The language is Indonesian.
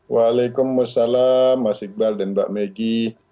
waalaikumsalam mas iqbal dan mbak megi